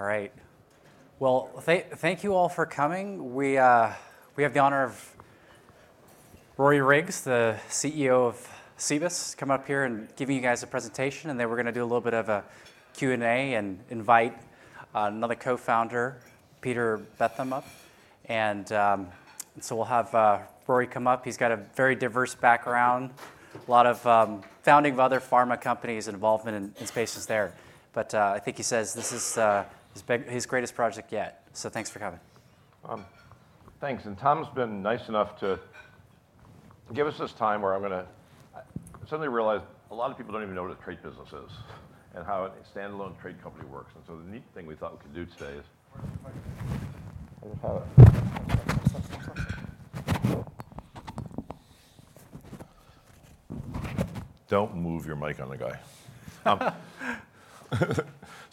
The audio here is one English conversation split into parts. All right. Well, thank you all for coming. We have the honor of Rory Riggs, the CEO of Cibus, come up here and giving you guys a presentation, and then we're gonna do a little bit of a Q&A and invite another co-founder, Peter Beetham, up. And so we'll have Rory come up. He's got a very diverse background, a lot of founding of other pharma companies and involvement in spaces there. But I think he says this is his greatest project yet. So thanks for coming. Thanks, and Tom's been nice enough to give us this time where I'm gonna. I suddenly realized a lot of people don't even know what a trait business is and how a standalone trait company works, and so the neat thing we thought we could do today is. Where's the mic? Let me have it. Don't move your mic on the guy.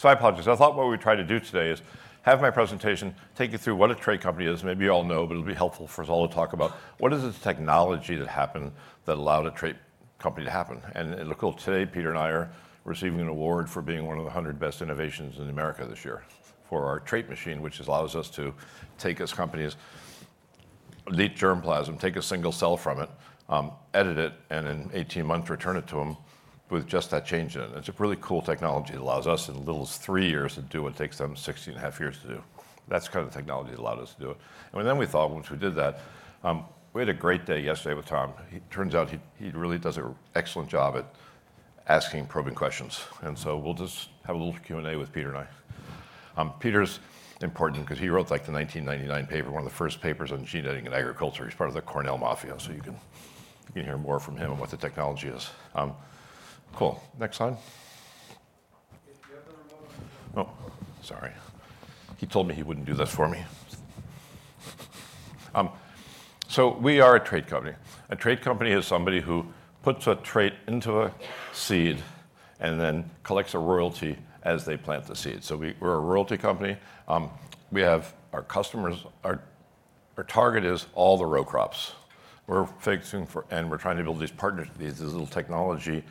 I apologize. I thought what we'd try to do today is have my presentation, take you through what a trait company is. Maybe you all know, but it'll be helpful for us all to talk about what is the technology that happened that allowed a trait company to happen? And look, today, Peter and I are receiving an award for being one of the 100 best innovations in America this year for our Trait Machine, which allows us to take as companies, elite germplasm, take a single cell from it, edit it, and in 18 months, return it to them with just that change in it. It's a really cool technology that allows us, in as little as 3 years, to do what takes them 16.5 years to do. That's the kind of technology that allowed us to do it. And then we thought once we did that. We had a great day yesterday with Tom. He turns out he really does an excellent job at asking probing questions. And so we'll just have a little Q&A with Peter and I. Peter's important because he wrote, like, the 1999 paper, one of the first papers on gene editing in agriculture. He's part of the Cornell mafia, so you can hear more from him on what the technology is. Cool. Next slide. Can you get the remote? Oh, sorry. He told me he wouldn't do this for me. So we are a trait company. A trait company is somebody who puts a trait into a seed and then collects a royalty as they plant the seed. So we're a royalty company. We have our customers. Our target is all the row crops. We're trying to build these partners, these little technology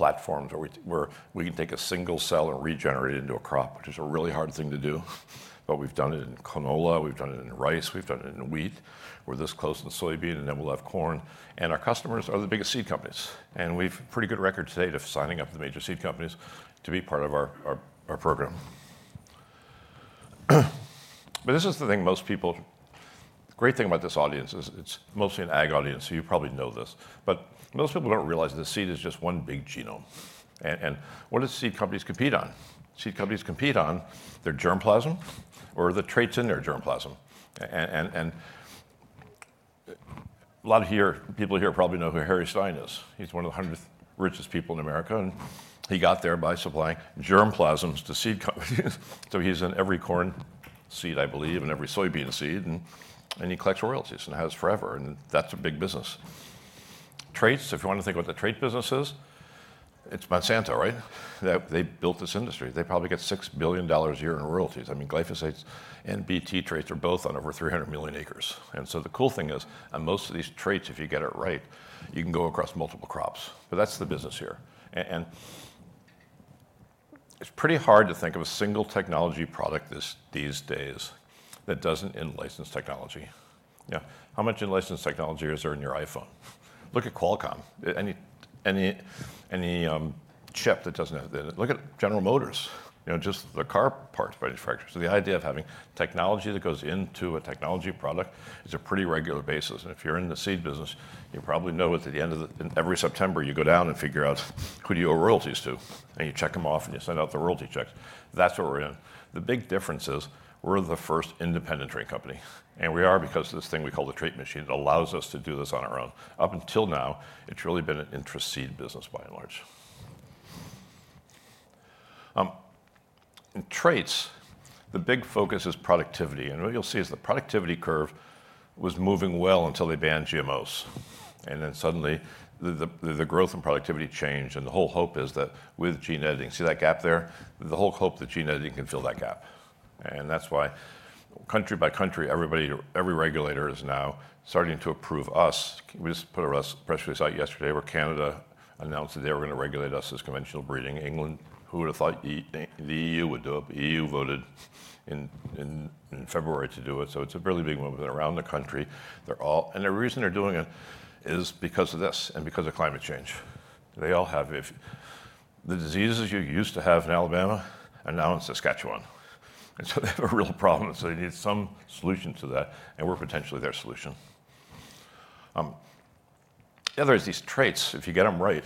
platforms, where we can take a single cell and regenerate it into a crop, which is a really hard thing to do, but we've done it in canola, we've done it in rice, we've done it in wheat. We're this close in soybean, and then we'll have corn. Our customers are the biggest seed companies, and we've a pretty good record to date of signing up the major seed companies to be part of our program. But this is the thing most people... The great thing about this audience is it's mostly an ag audience, so you probably know this. But most people don't realize that a seed is just one big genome. And what do seed companies compete on? Seed companies compete on their germplasm or the traits in their germplasm. And a lot of people here probably know who Harry Stine is. He's one of the 100 richest people in America, and he got there by supplying germplasms to seed companies. So he's in every corn seed, I believe, and every soybean seed, and he collects royalties and has forever, and that's a big business. Traits, if you want to think of what the trait business is, it's Monsanto, right? They built this industry. They probably get $6 billion a year in royalties. I mean, glyphosate and Bt traits are both on over 300 million acres. And so the cool thing is, and most of these traits, if you get it right, you can go across multiple crops. But that's the business here. And it's pretty hard to think of a single technology product these days that doesn't in-license technology. Yeah, how much in-license technology is there in your iPhone? Look at Qualcomm. Any chip that doesn't have it. Look at General Motors, you know, just the car parts manufacturers. So the idea of having technology that goes into a technology product is a pretty regular basis, and if you're in the seed business, you probably know at the end of the, every September, you go down and figure out who do you owe royalties to, and you check them off, and you send out the royalty checks. That's what we're in. The big difference is we're the first independent trait company, and we are because of this thing we call the Trait Machine. It allows us to do this on our own. Up until now, it's really been an intraseed business by and large. In traits, the big focus is productivity, and what you'll see is the productivity curve was moving well until they banned GMOs. And then suddenly, the growth in productivity changed, and the whole hope is that with gene editing, see that gap there? The whole hope that gene editing can fill that gap. And that's why country by country, everybody, every regulator is now starting to approve us. We just put a press release out yesterday where Canada announced that they were going to regulate us as conventional breeding. England, who would have thought the E.U. would do it? But the E.U. voted in February to do it, so it's a really big movement around the country. They're all. And the reason they're doing it is because of this and because of climate change. The diseases you used to have in Alabama are now in Saskatchewan, and so they have a real problem, so they need some solution to that, and we're potentially their solution. The other is these traits, if you get them right,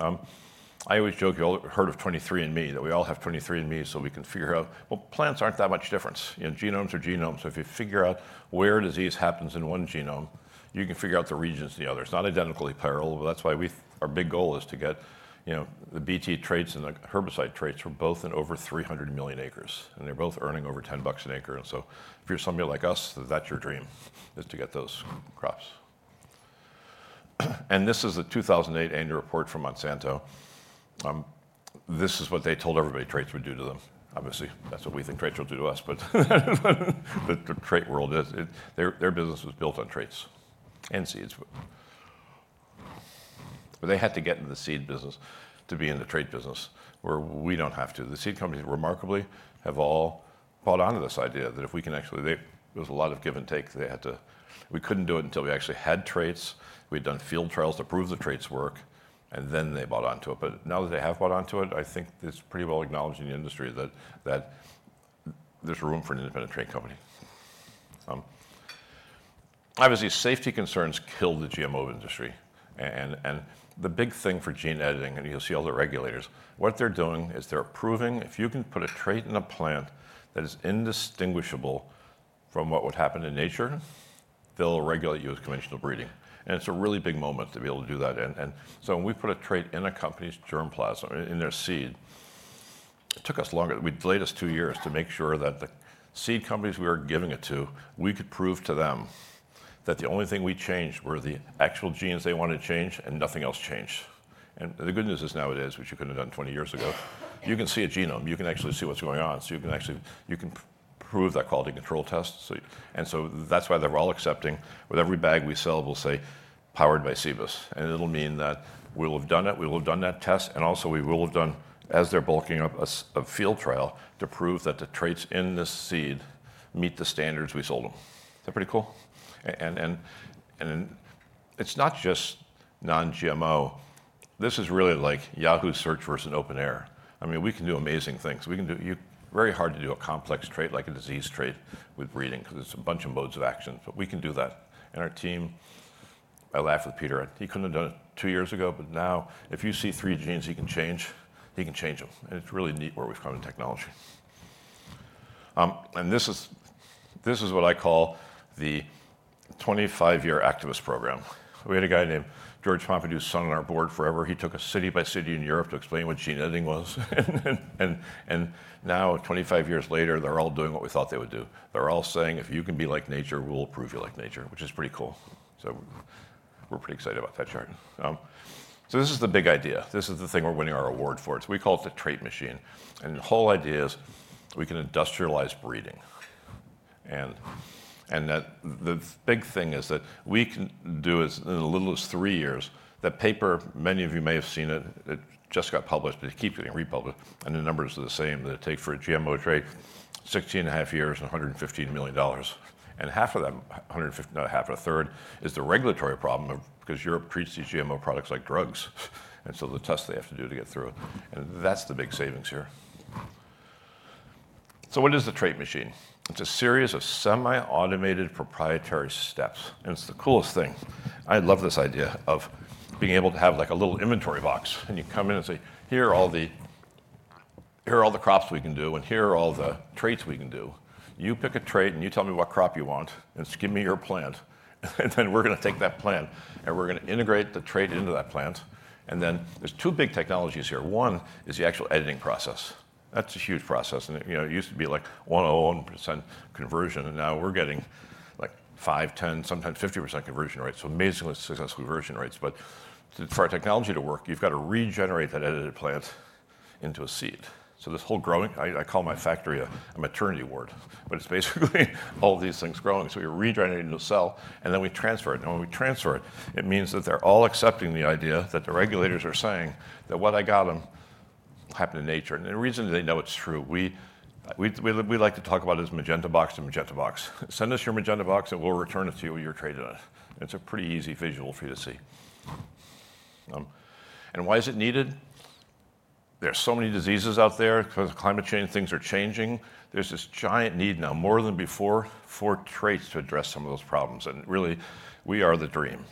I always joke, you all heard of 23andMe, that we all have 23andMe, so we can figure out... Well, plants aren't that much different. You know, genomes are genomes. So if you figure out where disease happens in one genome, you can figure out the regions in the other. It's not identically parallel, but that's why we our big goal is to get, you know, the Bt traits and the herbicide traits from both in over 300 million acres, and they're both earning over $10 an acre. And so if you're somebody like us, that's your dream, is to get those crops. And this is a 2008 annual report from Monsanto. This is what they told everybody traits would do to them. Obviously, that's what we think traits will do to us, but the trait world is, their business was built on traits and seeds. But they had to get into the seed business to be in the trait business, where we don't have to. The seed companies, remarkably, have all bought onto this idea, that if we can actually, there was a lot of give and take. They had to, we couldn't do it until we actually had traits, we'd done field trials to prove the traits work, and then they bought onto it. But now that they have bought onto it, I think it's pretty well acknowledged in the industry that there's room for an independent trait company. Obviously, safety concerns kill the GMO industry, and the big thing for gene editing, and you'll see all the regulators, what they're doing is they're approving. If you can put a trait in a plant that is indistinguishable from what would happen in nature, they'll regulate you as conventional breeding, and it's a really big moment to be able to do that. So when we put a trait in a company's germplasm, in their seed, it took us longer, it delayed us two years to make sure that the seed companies we were giving it to, we could prove to them that the only thing we changed were the actual genes they wanted to change, and nothing else changed. And the good news is, nowadays, which you couldn't have done 20 years ago, you can see a genome, you can actually see what's going on, so you can actually prove that quality control test. So that's why they're all accepting. With every bag we sell, we'll say, "Powered by Cibus," and it'll mean that we'll have done it, we will have done that test, and also we will have done, as they're bulking up, a field trial to prove that the traits in this seed meet the standards we sold them. Is that pretty cool? And it's not just non-GMO. This is really like Yahoo! Search versus OpenAI. I mean, we can do amazing things. We can do. Very hard to do a complex trait, like a disease trait with breeding, 'cause it's a bunch of modes of action, but we can do that. Our team, I laugh with Peter, he couldn't have done it two years ago, but now, if you see three genes he can change, he can change them, and it's really neat where we've come in technology. This is what I call the 25-year activist program. We had a guy named George Poste, who sat on our board forever. He took us city by city in Europe to explain what gene editing was, and now, 25 years later, they're all doing what we thought they would do. They're all saying: If you can be like nature, we'll approve you like nature, which is pretty cool. So we're pretty excited about that chart. So this is the big idea. This is the thing we're winning our award for. We call it the Trait Machine, and the whole idea is we can industrialize breeding. And that the big thing is that we can do it in as little as 3 years. That paper, many of you may have seen it, it just got published, but it keeps getting republished, and the numbers are the same, that it takes for a GMO trait 16.5 years and $115 million, and half of them, 150-- not half, a third, is the regulatory problem of... because Europe treats these GMO products like drugs, and so the tests they have to do to get through, and that's the big savings here. So what is the Trait Machine? It's a series of semi-automated, proprietary steps, and it's the coolest thing. I love this idea of being able to have, like, a little inventory box, and you come in and say, "Here are all the, here are all the crops we can do, and here are all the traits we can do. You pick a trait, and you tell me what crop you want, just give me your plant," and then we're gonna take that plant, and we're gonna integrate the trait into that plant. And then, there's two big technologies here. One is the actual editing process. That's a huge process, and, you know, it used to be, like, 1.01% conversion, and now we're getting, like, 5%, 10%, sometimes 50% conversion rates, so amazingly successful conversion rates. But for our technology to work, you've got to regenerate that edited plant into a seed. So this whole growing, I call my factory a maternity ward, but it's basically all these things growing. So we regenerate a new cell, and then we transfer it. And when we transfer it, it means that they're all accepting the idea that the regulators are saying that what I got them happened in nature. And the reason they know it's true, we like to talk about it as Magenta box to Magenta box. "Send us your Magenta box, and we'll return it to you with your trait in it." It's a pretty easy visual for you to see. And why is it needed? There are so many diseases out there. Because of climate change, things are changing. There's this giant need now, more than before, for traits to address some of those problems, and really, we are the dream,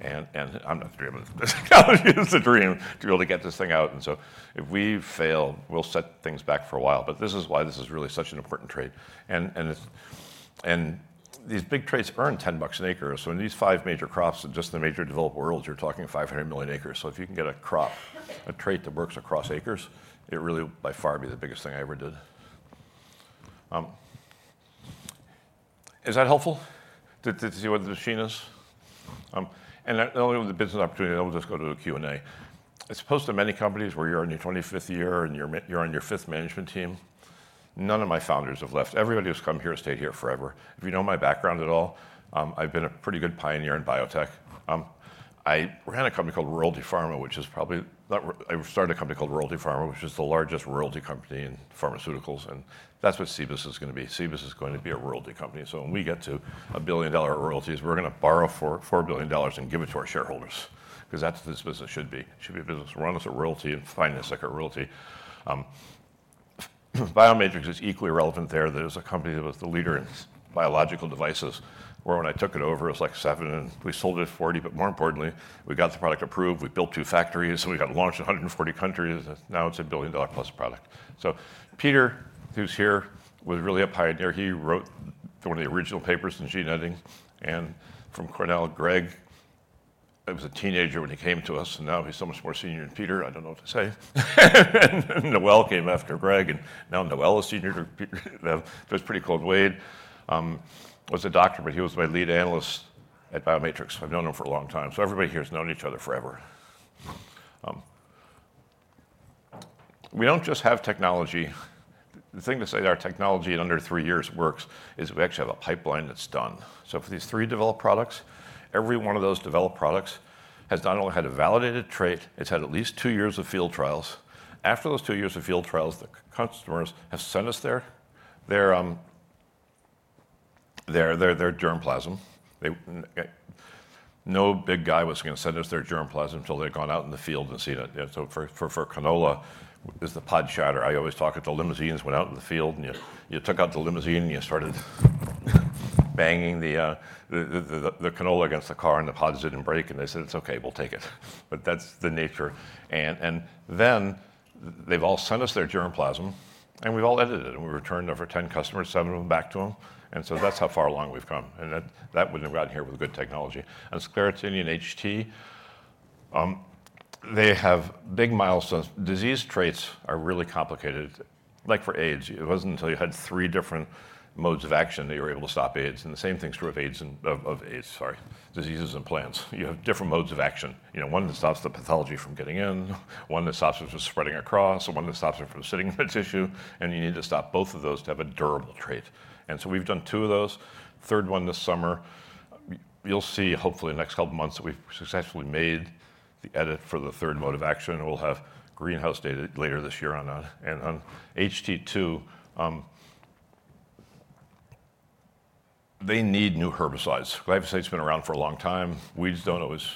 and, and I'm not the dream, but this company is the dream to be able to get this thing out. And so if we fail, we'll set things back for a while. But this is why this is really such an important trait. And, and it's... And these big traits earn $10 an acre. So in these five major crops, in just the major developed worlds, you're talking 500 million acres. So if you can get a crop, a trait that works across acres, it really will, by far, be the biggest thing I ever did. Is that helpful, to, to see what the machine is? And not only with the business opportunity, I will just go to the Q&A. As opposed to many companies where you're in your 25th year, and you're on your fifth management team, none of my founders have left. Everybody who's come here has stayed here forever. If you know my background at all, I've been a pretty good pioneer in biotech. I ran a company called Royalty Pharma, which is probably not R-- I started a company called Royalty Pharma, which is the largest royalty company in pharmaceuticals, and that's what Cibus is gonna be. Cibus is going to be a royalty company. So when we get to a billion-dollar royalties, we're gonna borrow $4 billion and give it to our shareholders, 'cause that's what this business should be. It should be a business run as a royalty and financed like a royalty. Biomatrix is equally relevant there. That is a company that was the leader in biological devices, where when I took it over, it was, like, 7, and we sold it at 40. But more importantly, we got the product approved, we built two factories, so we got it launched in 140 countries, and now it's a billion-dollar-plus product. So Peter, who's here, was really a pioneer. He wrote one of the original papers in gene editing, and from Cornell, Greg was a teenager when he came to us, and now he's so much more senior than Peter. I don't know what to say. And Noel came after Greg, and now Noel is senior to Peter, so it's pretty cool. Wade was a doctor, but he was my lead analyst at Biomatrix. I've known him for a long time. So everybody here has known each other forever. We don't just have technology. The thing to say that our technology in under three years works, is we actually have a pipeline that's done. So for these three developed products, every one of those developed products has not only had a validated trait, it's had at least two years of field trials. After those two years of field trials, the customers have sent us their germplasm. They, no big guy was gonna send us their germplasm until they'd gone out in the field and seen it. Yeah, so for canola, is the pod shatter. I always talk at the limousines, went out in the field, and you took out the limousine, and you started banging the canola against the car, and the pods didn't break, and they said, "It's okay, we'll take it." But that's the nature. Then, they've all sent us their germplasm, and we've all edited it, and we returned over 10 customers, 7 of them back to them. So that's how far along we've come, and that wouldn't have gotten here with good technology. Sclerotinia and HT, they have big milestones. Disease traits are really complicated. Like for AIDS, it wasn't until you had 3 different modes of action that you were able to stop AIDS, and the same things are of AIDS, and of AIDS, sorry, diseases in plants. You have different modes of action. You know, one that stops the pathology from getting in, one that stops it from spreading across, and one that stops it from sitting in the tissue, and you need to stop both of those to have a durable trait. And so we've done two of those, third one this summer. You'll see hopefully in the next couple of months that we've successfully made the edit for the third mode of action, and we'll have greenhouse data later this year on, and on HT2. They need new herbicides. Glyphosate's been around for a long time. Weeds don't always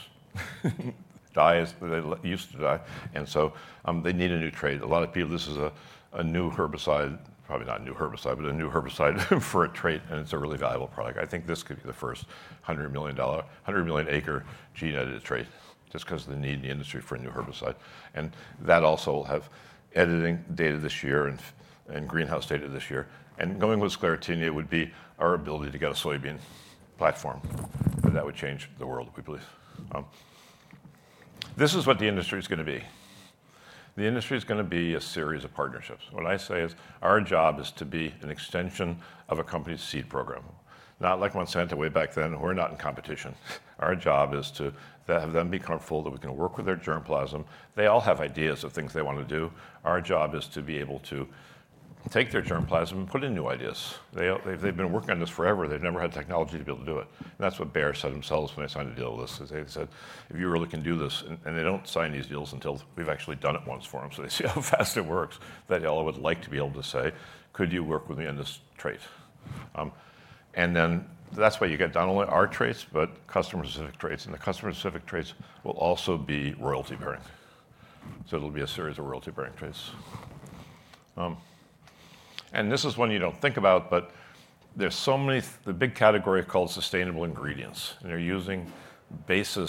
die as they used to die, and so, they need a new trait. A lot of people, this is a, a new herbicide, probably not a new herbicide, but a new herbicide for a trait, and it's a really valuable product. I think this could be the first $100 million, 100 million acre gene-edited trait, just 'cause of the need in the industry for a new herbicide. And that also will have editing data this year and greenhouse data this year. And going with Sclerotinia would be our ability to get a soybean platform, that would change the world, we believe. This is what the industry's gonna be. The industry is gonna be a series of partnerships. What I say is, our job is to be an extension of a company's seed program. Not like Monsanto way back then, we're not in competition. Our job is to have them be comfortable that we can work with their germplasm. They all have ideas of things they want to do. Our job is to be able to take their germplasm and put in new ideas. They've been working on this forever, they've never had the technology to be able to do it. That's what Bayer said themselves when they signed a deal with us, is they said: "If you really can do this..." And they don't sign these deals until we've actually done it once for them, so they see how fast it works. They all would like to be able to say, "Could you work with me on this trait?" And then that's why you get not only our traits, but customer-specific traits, and the customer-specific traits will also be royalty-bearing. So it'll be a series of royalty-bearing traits. And this is one you don't think about, but there's so many, the big category called sustainable ingredients, and they're using based on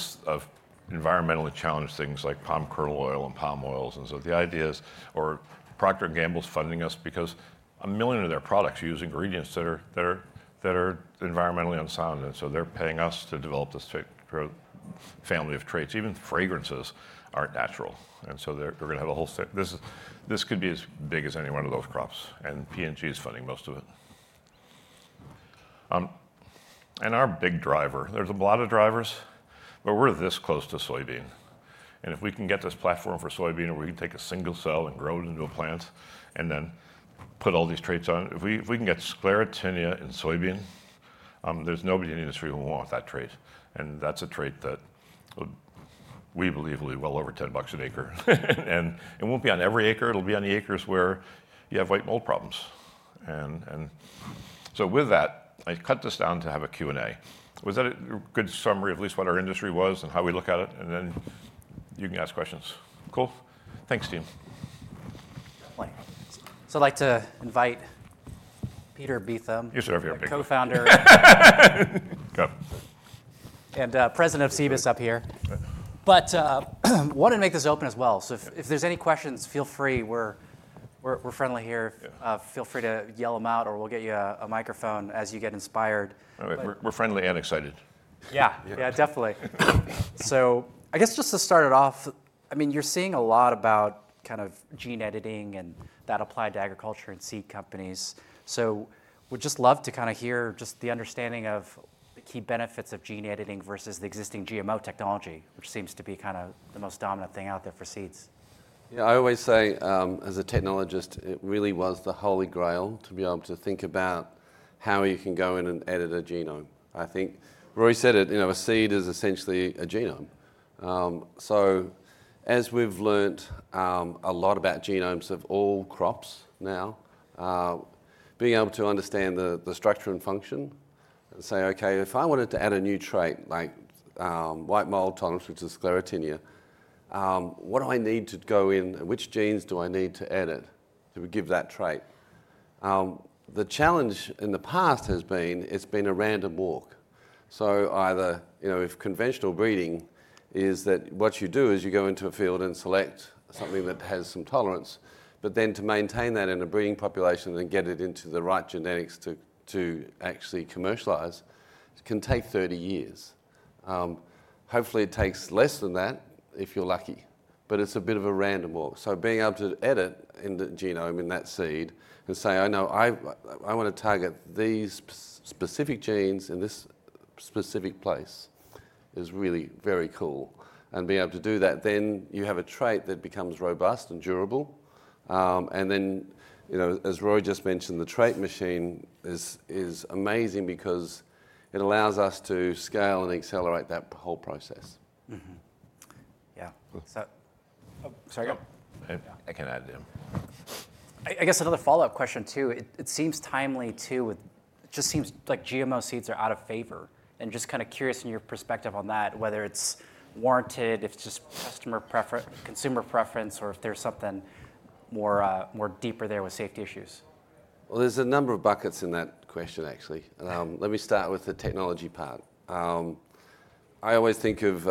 environmentally challenged things like palm kernel oil and palm oils. And so the idea is, or Procter & Gamble is funding us because 1 million of their products use ingredients that are environmentally unsound, and so they're paying us to develop this trait family of traits. Even fragrances aren't natural, and so they're, we're gonna have a whole set. This is, this could be as big as any one of those crops, and P&G is funding most of it. And our big driver, there's a lot of drivers, but we're this close to soybean. And if we can get this platform for soybean, and we can take a single cell and grow it into a plant, and then put all these traits on it, if we can get Sclerotinia in soybean, there's nobody in the industry who won't want that trait. That's a trait that would, we believe, will be well over $10 an acre. And it won't be on every acre, it'll be on the acres where you have white mold problems. And so with that, I cut this down to have a Q&A. Was that a good summary of at least what our industry was and how we look at it? And then you can ask questions. Cool? Thanks, team. I'd like to invite Peter Beetham. You sure have your big. Co-founder. Go. President of Cibus up here. Right. But wanted to make this open as well. Yeah. So if there's any questions, feel free. We're friendly here. Yeah. Feel free to yell them out, or we'll get you a microphone as you get inspired. We're friendly and excited. Yeah. Yeah. Yeah, definitely. So I guess just to start it off, I mean, you're seeing a lot about kind of gene editing and that applied to agriculture and seed companies. So would just love to kinda hear just the understanding of the key benefits of gene editing versus the existing GMO technology, which seems to be kinda the most dominant thing out there for seeds. Yeah, I always say, as a technologist, it really was the Holy Grail, to be able to think about how you can go in and edit a genome. I think Rory said it, you know, a seed is essentially a genome. So as we've learned, a lot about genomes of all crops now, being able to understand the, the structure and function and say: Okay, if I wanted to add a new trait, like, white mold tolerance, which is Sclerotinia, what do I need to go in, and which genes do I need to edit to give that trait? The challenge in the past has been, it's been a random walk. So either, you know, if conventional breeding is that what you do is you go into a field and select something that has some tolerance, but then to maintain that in a breeding population and get it into the right genetics to actually commercialize, it can take 30 years. Hopefully, it takes less than that, if you're lucky, but it's a bit of a random walk. So being able to edit in the genome in that seed and say: I know I wanna target these specific genes in this specific place is really very cool. And being able to do that, then you have a trait that becomes robust and durable. And then, you know, as Rory just mentioned, the Trait Machine is amazing because it allows us to scale and accelerate that whole process. Mm-hmm. Yeah. So, oh, sorry, go. I can add in. I guess another follow-up question, too. It seems timely, too, with... It just seems like GMO seeds are out of favor, and just kind of curious in your perspective on that, whether it's warranted, if it's just customer consumer preference, or if there's something more, more deeper there with safety issues. Well, there's a number of buckets in that question, actually. Um. Let me start with the technology part. I always think of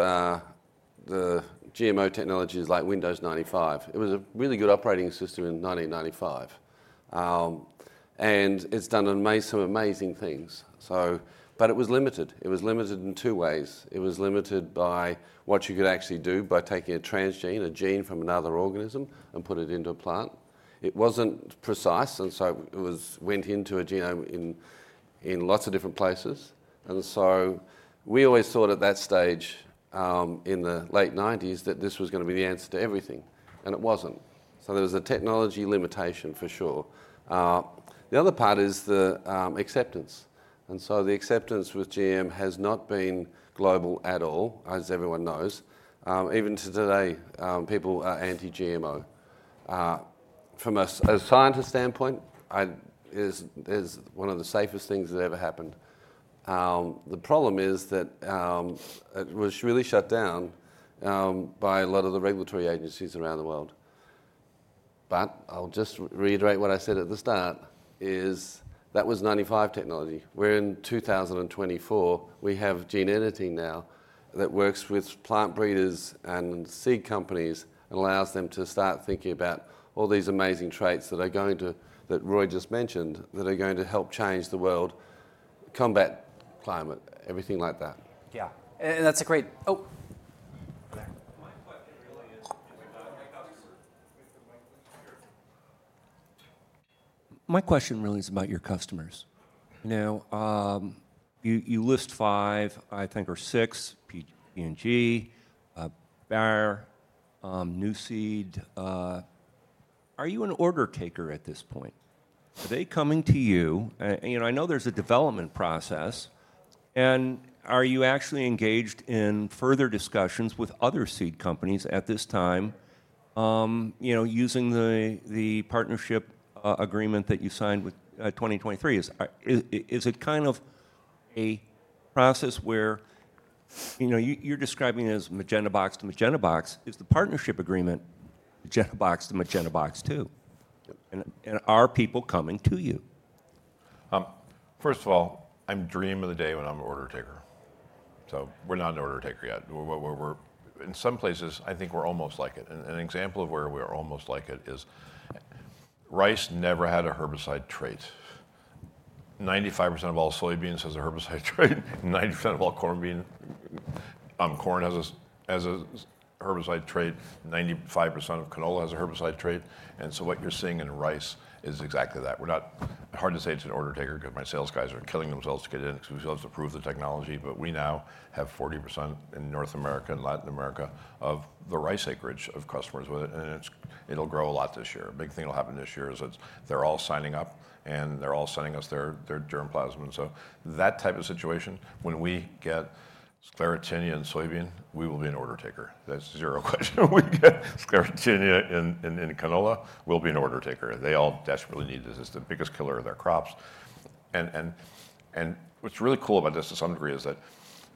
the GMO technology as like Windows 95. It was a really good operating system in 1995. And it's done some amazing things, so, but it was limited. It was limited in two ways. It was limited by what you could actually do by taking a transgene, a gene from another organism, and put it into a plant. It wasn't precise, and so it was went into a genome in lots of different places. And so we always thought at that stage, in the late 1990s, that this was going to be the answer to everything, and it wasn't. So there was a technology limitation, for sure. The other part is the acceptance. And so the acceptance with GM has not been global at all, as everyone knows. Even to today, people are anti-GMO. From a scientist standpoint, I, is, is one of the safest things that ever happened. The problem is that, it was really shut down, by a lot of the regulatory agencies around the world. But I'll just reiterate what I said at the start, is that was 1995 technology. We're in 2024. We have gene editing now that works with plant breeders and seed companies, and allows them to start thinking about all these amazing traits that are going to- that Rory just mentioned, that are going to help change the world, combat climate, everything like that. Yeah. And, and that's a great, oh! Over there. My question really is about your customers. My question really is about your customers. Now, you, you list five, I think, or six, P&G, Bayer, Nuseed. Are you an order taker at this point? Are they coming to you? You know, I know there's a development process. Are you actually engaged in further discussions with other seed companies at this time, you know, using the partnership agreement that you signed with 2023? Is it kind of a process where, you know, you, you're describing it as Magenta box to Magenta box. Is the partnership agreement Magenta box to Magenta box, too? Yep. And are people coming to you? First of all, I dream of the day when I'm an order taker. So we're not an order taker yet. We're in some places, I think we're almost like it. And an example of where we are almost like it is, rice never had a herbicide trait. 95% of all soybeans has a herbicide trait, 90% of all corn has a herbicide trait, 95% of canola has a herbicide trait, and so what you're seeing in rice is exactly that. It's hard to say it's an order taker because my sales guys are killing themselves to get it in, killing themselves to prove the technology. But we now have 40% in North America and Latin America of the rice acreage of customers with it, and it'll grow a lot this year. A big thing that'll happen this year is that they're all signing up, and they're all sending us their germplasm. And so that type of situation, when we get Sclerotinia in soybean, we will be an order taker. That's zero question. When we get Sclerotinia in canola, we'll be an order taker. They all desperately need this. This is the biggest killer of their crops. And what's really cool about this, to some degree, is that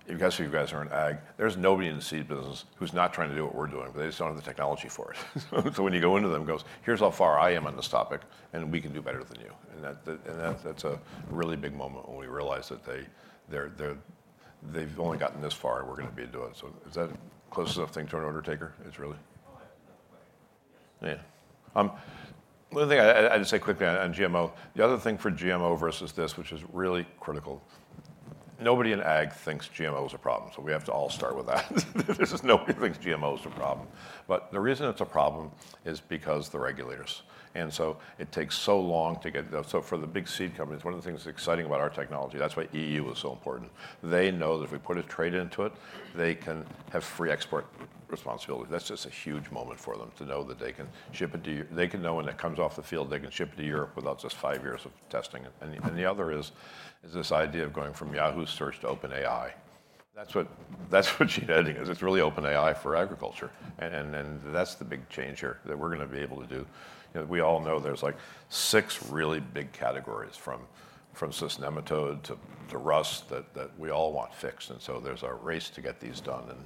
you guys, you guys are in ag. There's nobody in the seed business who's not trying to do what we're doing, but they just don't have the technology for it. So when you go into them and goes, "Here's how far I am on this topic, and we can do better than you." And that, that's a really big moment when we realize that they, they've only gotten this far, and we're going to be doing it. So is that a close enough thing to an order taker? Is it really? Oh, I have another question. Yes. Yeah. One thing I'd just say quickly on GMO, the other thing for GMO versus this, which is really critical, nobody in ag thinks GMO is a problem, so we have to all start with that. There's just nobody thinks GMO is a problem. But the reason it's a problem is because the regulators, and so it takes so long to get them. So for the big seed companies, one of the things that's exciting about our technology, that's why EU is so important. They know that if we put a trait into it, they can have free export responsibility. That's just a huge moment for them, to know that they can ship it to... They can know when it comes off the field, they can ship it to Europe without just five years of testing it. And the other is this idea of going from Yahoo! Search to OpenAI. That's what gene editing is. It's really OpenAI for agriculture. And that's the big change here that we're going to be able to do. You know, we all know there's, like, six really big categories, from cyst nematode to rust, that we all want fixed, and so there's a race to get these done. And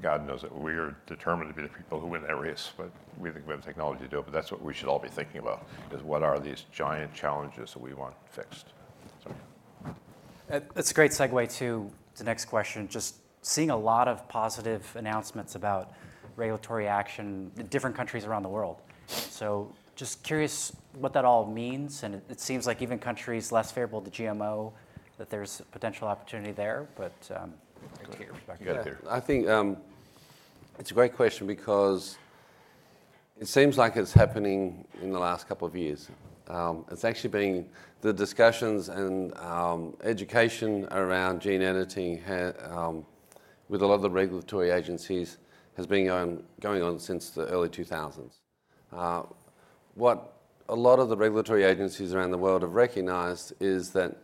God knows that we're determined to be the people who win that race, but we think we have the technology to do it. But that's what we should all be thinking about, is what are these giant challenges that we want fixed? So. That's a great segue to the next question. Just seeing a lot of positive announcements about regulatory action in different countries around the world. So just curious what that all means, and it seems like even countries less favorable to GMO, that there's potential opportunity there, but. Take it. You got it. I think it's a great question. It seems like it's happening in the last couple of years. It's actually been the discussions and education around gene editing with a lot of the regulatory agencies has been going on since the early 2000s. What a lot of the regulatory agencies around the world have recognized is that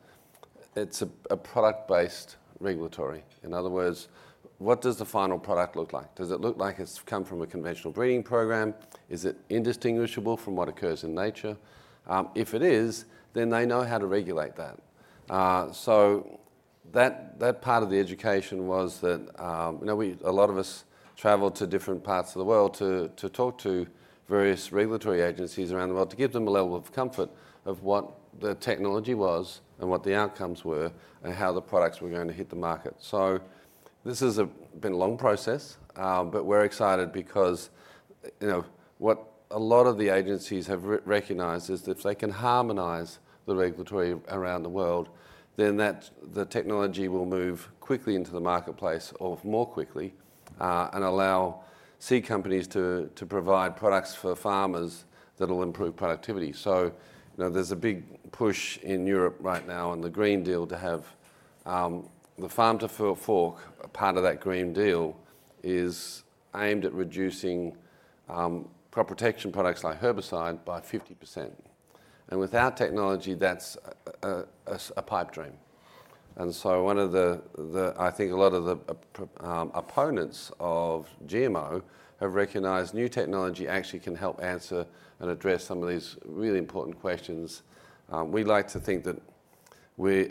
it's a product-based regulatory. In other words, what does the final product look like? Does it look like it's come from a conventional breeding program? Is it indistinguishable from what occurs in nature? If it is, then they know how to regulate that. So that part of the education was that, you know, a lot of us traveled to different parts of the world to talk to various regulatory agencies around the world, to give them a level of comfort of what the technology was and what the outcomes were, and how the products were going to hit the market. So this has been a long process, but we're excited because, you know, what a lot of the agencies have recognized is that if they can harmonize the regulatory around the world, then the technology will move quickly into the marketplace or more quickly, and allow seed companies to provide products for farmers that will improve productivity. So, you know, there's a big push in Europe right now on the Green Deal to have the Farm to Fork, a part of that Green Deal, is aimed at reducing crop protection products like herbicide by 50%. And without technology, that's a pipe dream. And so one of the, I think a lot of the opponents of GMO have recognized new technology actually can help answer and address some of these really important questions. We like to think that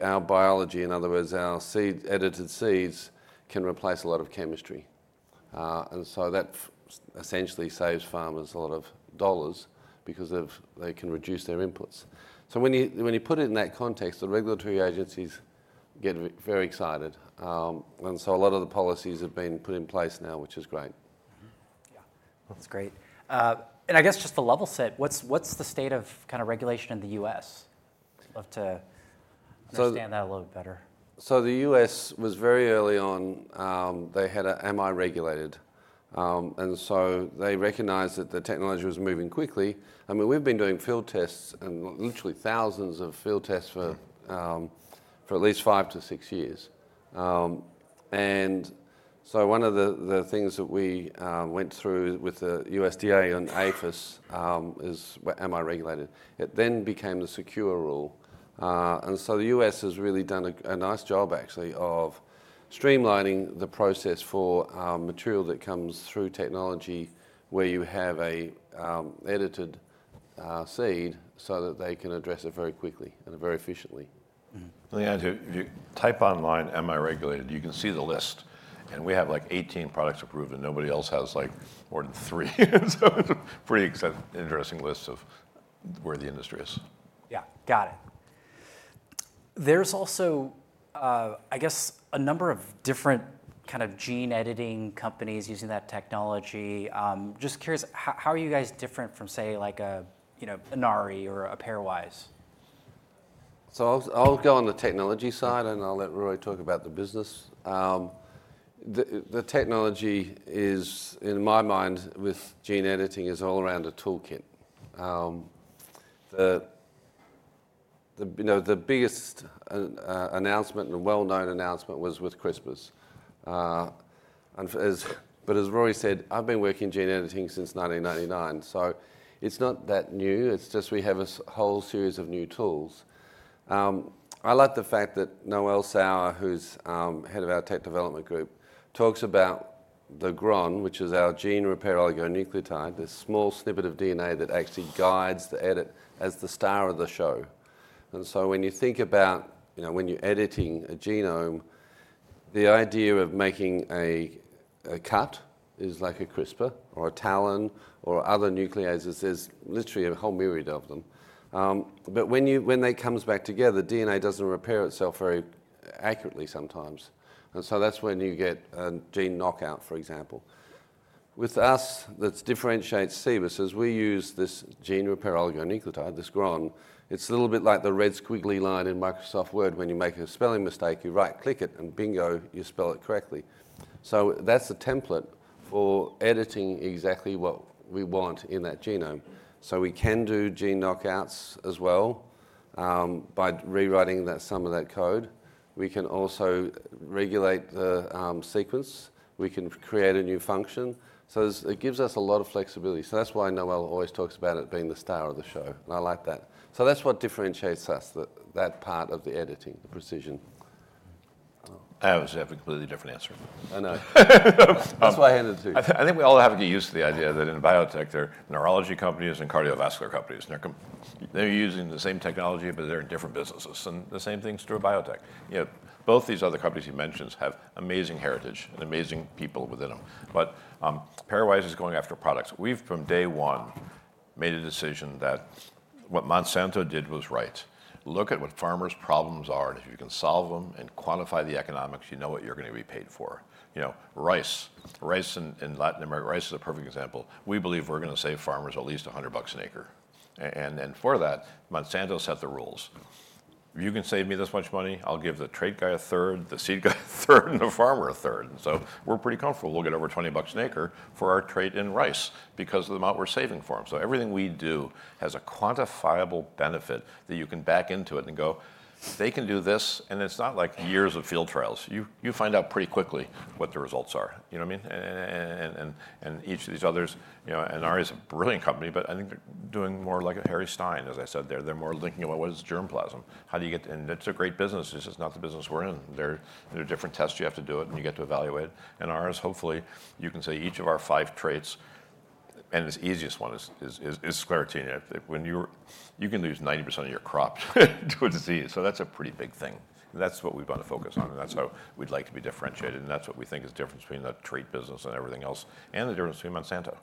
our biology, in other words, our seed, edited seeds, can replace a lot of chemistry. And so that essentially saves farmers a lot of dollars because they can reduce their inputs. So when you put it in that context, the regulatory agencies get very excited. And so a lot of the policies have been put in place now, which is great. Mm-hmm. Yeah, that's great. And I guess just to level set, what's the state of kinda regulation in the U.S.? I'd love to. So. understand that a little better. So the U.S. was very early on, they had an Am I Regulated. And so they recognized that the technology was moving quickly. I mean, we've been doing field tests and literally thousands of field tests for at least 5-6 years. And so one of the things that we went through with the USDA and APHIS is Am I Regulated? It then became the SECURE rule. And so the U.S. has really done a nice job, actually, of streamlining the process for material that comes through technology, where you have an edited seed, so that they can address it very quickly and very efficiently. Mm-hmm. And yeah, if you type online, "Am I Regulated?" You can see the list, and we have, like, 18 products approved, and nobody else has, like, more than 3. So pretty exciting, interesting list of where the industry is. Yeah, got it. There's also, I guess, a number of different kind of gene editing companies using that technology. Just curious, how, how are you guys different from, say, like a, you know, an Inari or a Pairwise? So I'll go on the technology side, and I'll let Rory talk about the business. You know, the biggest announcement and a well-known announcement was with CRISPR. But as Rory said, I've been working in gene editing since 1999, so it's not that new, it's just we have a whole series of new tools. I like the fact that Noel Sauer, who's head of our tech development group, talks about the GRON, which is our gene repair oligonucleotide, this small snippet of DNA that actually guides the edit as the star of the show. And so when you think about, you know, when you're editing a genome, the idea of making a cut is like a CRISPR or a TALE or other nucleases, there's literally a whole myriad of them. But when that comes back together, DNA doesn't repair itself very accurately sometimes, and so that's when you get a gene knockout, for example. With us, that differentiates Cibus, is we use this gene repair oligonucleotide, this GRON. It's a little bit like the red squiggly line in Microsoft Word. When you make a spelling mistake, you right-click it, and bingo, you spell it correctly. So that's the template for editing exactly what we want in that genome. So we can do gene knockouts as well, by rewriting that, some of that code. We can also regulate the sequence, we can create a new function. So it's, it gives us a lot of flexibility. So that's why Noel always talks about it being the star of the show, and I like that. So that's what differentiates us, that part of the editing, the precision. I always have a completely different answer. I know. That's why I handed it to you. I think we all have to get used to the idea that in biotech, there are neurology companies and cardiovascular companies, and they're using the same technology, but they're in different businesses, and the same thing is true in biotech. You know, both these other companies you mentioned have amazing heritage and amazing people within them. But, Pairwise is going after products. We've, from day one, made a decision that what Monsanto did was right. Look at what farmers' problems are, and if you can solve them and quantify the economics, you know what you're going to be paid for. You know, rice. Rice in Latin America, rice is a perfect example. We believe we're going to save farmers at least $100 an acre. And for that, Monsanto set the rules. If you can save me this much money, I'll give the trait guy a third, the seed guy a third, and the farmer a third. So we're pretty comfortable we'll get over $20 an acre for our trait in rice because of the amount we're saving for them. So everything we do has a quantifiable benefit that you can back into it and go, "If they can do this..." And it's not like years of field trials. You find out pretty quickly what the results are. You know what I mean? And each of these others, you know, and Ari is a brilliant company, but I think they're doing more like a Harry Stine, as I said there. They're more thinking about what is germplasm? How do you get... And it's a great business, it's just not the business we're in. There are different tests you have to do it, and you get to evaluate. And ours, hopefully, you can say each of our five traits, and its easiest one is Sclerotinia. When you're you can lose 90% of your crop to a disease, so that's a pretty big thing, and that's what we've got to focus on, and that's how we'd like to be differentiated, and that's what we think is different between the trait business and everything else, and the difference between Monsanto.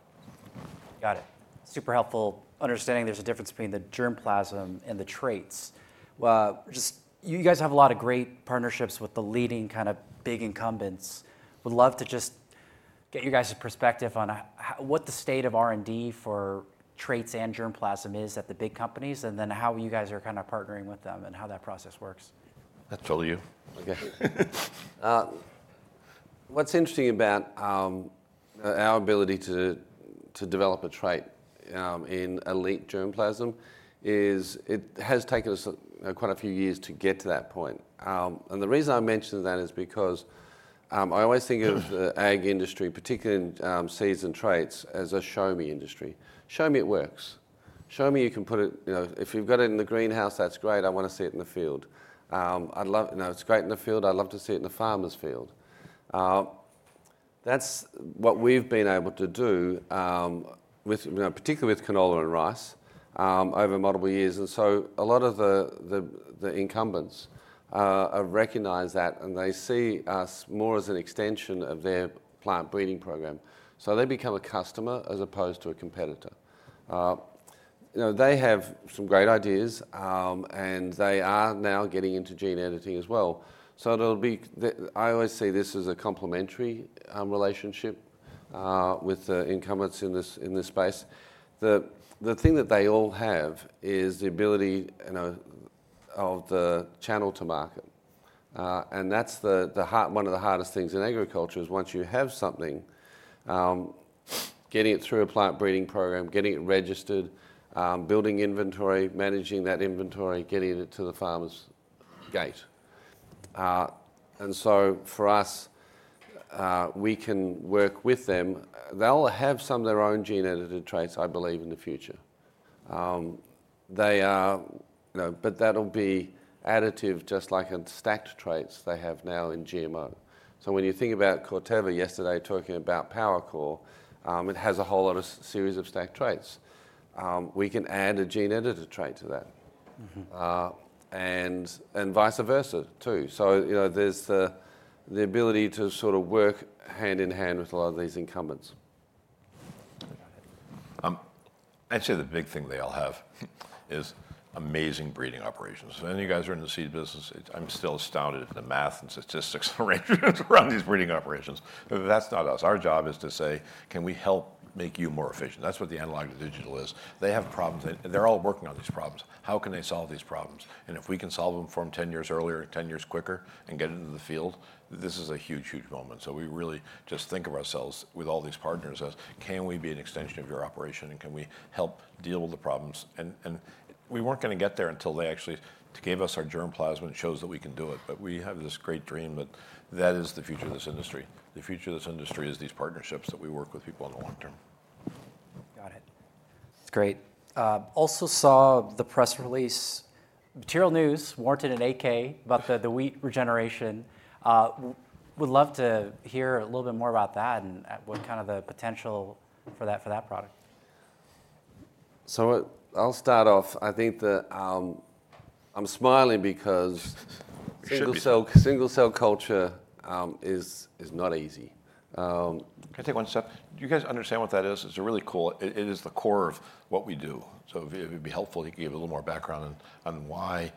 Got it. Super helpful understanding there's a difference between the germplasm and the traits. Just you guys have a lot of great partnerships with the leading kind of big incumbents. Would love to just get your guys' perspective on how, what the state of R&D for traits and germplasm is at the big companies, and then how you guys are kind of partnering with them, and how that process works. That's all you. Okay. What's interesting about our ability to develop a trait in elite germplasm is it has taken us quite a few years to get to that point. The reason I mention that is because I always think of the ag industry, particularly in seeds and traits, as a show me industry. Show me it works. Show me you can put it, you know, if you've got it in the greenhouse, that's great, I want to see it in the field. I'd love, you know, it's great in the field, I'd love to see it in the farmer's field. That's what we've been able to do, you know, particularly with canola and rice, over multiple years. A lot of the incumbents have recognized that, and they see us more as an extension of their plant breeding program. So they become a customer as opposed to a competitor. You know, they have some great ideas, and they are now getting into gene editing as well. So it'll be. I always see this as a complementary relationship with the incumbents in this space. The thing that they all have is the ability, you know, of the channel to market. And that's one of the hardest things in agriculture: once you have something, getting it through a plant breeding program, getting it registered, building inventory, managing that inventory, getting it to the farmer's gate. And so for us, we can work with them. They'll have some of their own gene-edited traits, I believe, in the future. They are, you know. But that'll be additive, just like in stacked traits they have now in GMO. So when you think about Corteva yesterday talking about PowerCore, it has a whole lot of series of stacked traits. We can add a gene-edited trait to that. Mm-hmm. And vice versa, too. So, you know, there's the ability to sort of work hand in hand with a lot of these incumbents. Got it. I'd say the big thing they all have is amazing breeding operations. If any of you guys are in the seed business, I'm still astounded at the math and statistics arrangements around these breeding operations. But that's not us. Our job is to say: Can we help make you more efficient? That's what the analog to digital is. They have problems, and they're all working on these problems. How can they solve these problems? And if we can solve them from 10 years earlier, 10 years quicker, and get into the field, this is a huge, huge moment. So we really just think of ourselves with all these partners as: Can we be an extension of your operation, and can we help deal with the problems? And we weren't going to get there until they actually gave us our germplasm and shows that we can do it. We have this great dream that that is the future of this industry. The future of this industry is these partnerships that we work with people in the long term. Got it. Great. Also saw the press release, material news, warrants an 8-K about the wheat regeneration. Would love to hear a little bit more about that and what kind of the potential for that product. So I'll start off. I think that, I'm smiling because- You should be... single cell, single cell culture is not easy. Can I take one step? Do you guys understand what that is? It's a really cool, it is the core of what we do. So if it'd be helpful, he can give a little more background on why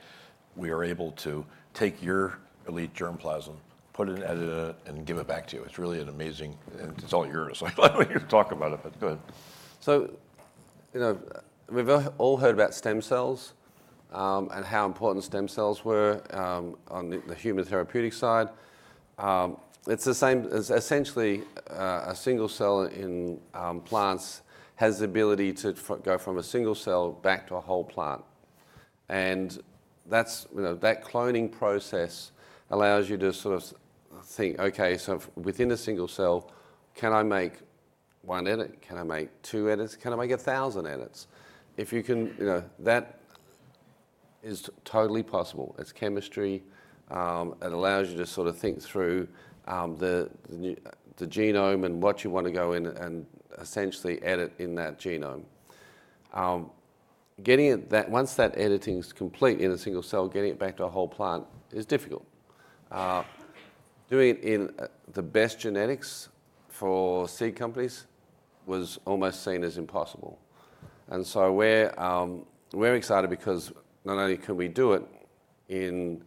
we are able to take your elite germplasm, put it in, edit it, and give it back to you. It's really an amazing, and it's all yours. I don't want you to talk about it, but go ahead. So, you know, we've all heard about stem cells, and how important stem cells were, on the human therapeutic side. It's the same. Essentially, a single cell in plants has the ability to go from a single cell back to a whole plant. And that's, you know, that cloning process allows you to sort of think, "Okay, so within a single cell, can I make one edit? Can I make two edits? Can I make a thousand edits?" If you can, you know, that is totally possible. It's chemistry, it allows you to sort of think through the new genome and what you want to go in and essentially edit in that genome. Once that editing is complete in a single cell, getting it back to a whole plant is difficult. Doing it in the best genetics for seed companies was almost seen as impossible. And so we're excited because not only can we do it in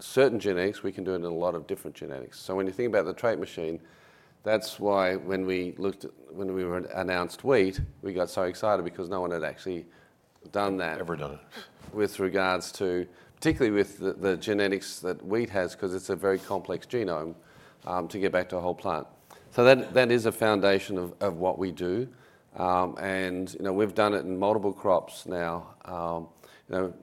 certain genetics, we can do it in a lot of different genetics. So when you think about the Trait Machine, that's why when we were announced wheat, we got so excited because no one had actually done that. Ever done it? With regards to, particularly with the genetics that wheat has, 'cause it's a very complex genome to get back to a whole plant. So that is a foundation of what we do. And, you know, we've done it in multiple crops now. You know,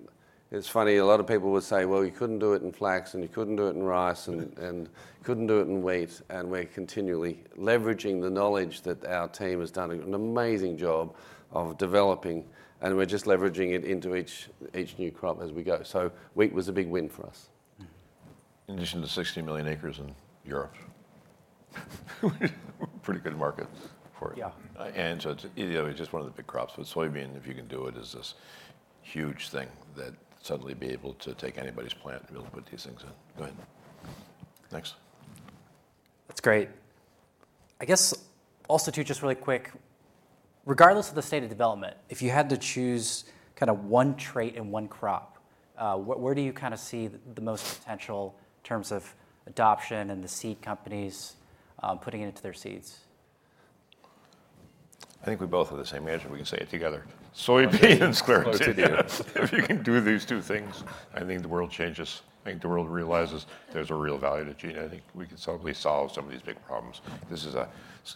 it's funny, a lot of people would say, "Well, you couldn't do it in flax, and you couldn't do it in rice, and couldn't do it in wheat." And we're continually leveraging the knowledge that our team has done an amazing job of developing, and we're just leveraging it into each new crop as we go. So wheat was a big win for us. Mm. In addition to 60 million acres in Europe, pretty good market for it. Yeah. and so it's, you know, just one of the big crops. With soybean, if you can do it, is this huge thing that suddenly be able to take anybody's plant and be able to put these things in. Go ahead. Next. That's great. I guess also, too, just really quick, regardless of the state of development, if you had to choose kind of one trait and one crop, where do you kind of see the most potential in terms of adoption and the seed companies, putting it into their seeds? I think we both have the same answer. We can say it together. Soybeans and Sclerotinia. Sclerotinia. If you can do these two things, I think the world changes. I think the world realizes there's a real value to gene. I think we can certainly solve some of these big problems. This is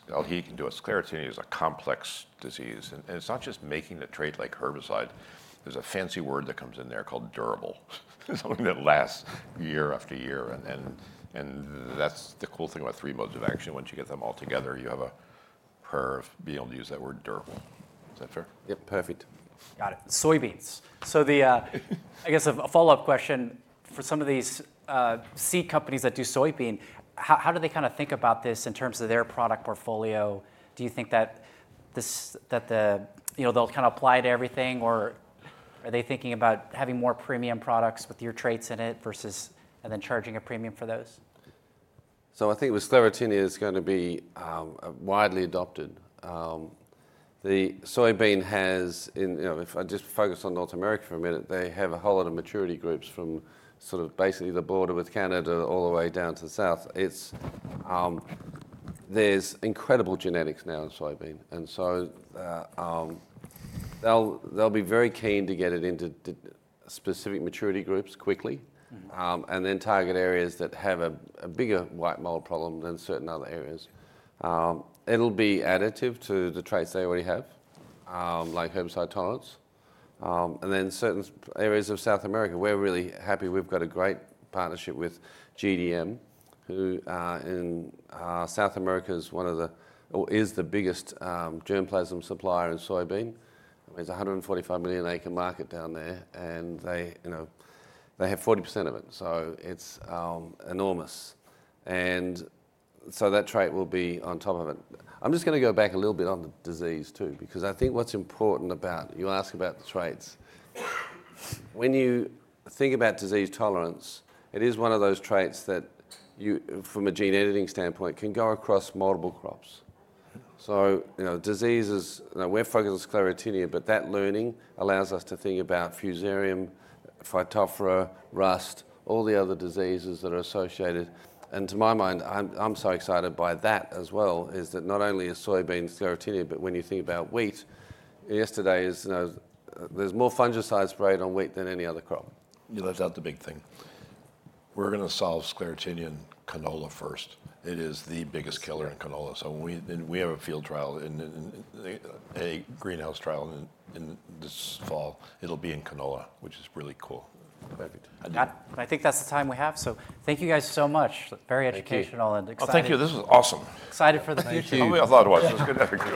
well, he can do a Sclerotinia, is a complex disease. And it's not just making the trait like herbicide. There's a fancy word that comes in there called durable. Something that lasts year after year, and then that's the cool thing about three modes of action. Once you get them all together, you have a curve, be able to use that word, durable. Is that fair? Yep, perfect. Got it. Soybeans. So, I guess a follow-up question for some of these seed companies that do soybean, how do they kinda think about this in terms of their product portfolio? Do you think that this, that the, you know, they'll kind of apply to everything, or are they thinking about having more premium products with your traits in it versus and then charging a premium for those? So I think with Sclerotinia, it's going to be widely adopted. The soybean has you know, if I just focus on North America for a minute, they have a whole lot of maturity groups from sort of basically the border with Canada all the way down to the South. It's, there's incredible genetics now in soybean, and so, they'll, they'll be very keen to get it into d- specific maturity groups quickly. Mm-hmm. And then target areas that have a bigger white mold problem than certain other areas. It'll be additive to the traits they already have, like herbicide tolerance. And then certain areas of South America, we're really happy. We've got a great partnership with GDM, who in South America is one of the, or is the biggest germplasm supplier in soybean. There's a 145 million acre market down there, and they, you know, they have 40% of it, so it's enormous. And so that trait will be on top of it. I'm just gonna go back a little bit on the disease, too, because I think what's important about... You asked about the traits. When you think about disease tolerance, it is one of those traits that you, from a gene editing standpoint, can go across multiple crops. So, you know, diseases, we're focused on Sclerotinia, but that learning allows us to think about Fusarium, Phytophthora, rust, all the other diseases that are associated. And to my mind, I'm so excited by that as well, is that not only is soybean Sclerotinia, but when you think about wheat, yesterday is, you know, there's more fungicide sprayed on wheat than any other crop. You left out the big thing. We're gonna solve Sclerotinia in canola first. It is the biggest killer in canola. Yes. So we have a field trial and a greenhouse trial in this fall. It'll be in canola, which is really cool. Perfect. I think that's the time we have, so thank you, guys, so much. Thank you. Very educational and exciting. Oh, thank you. This was awesome. Excited for the future. Oh, we have a lot of work. Let's get back to work.